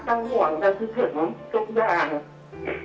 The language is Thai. แม่ไม่รู้จะพูดยังไง